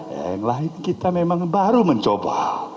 yang lain kita memang baru mencoba